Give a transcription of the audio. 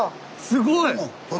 すごい。